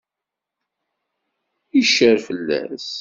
Icar fell-as.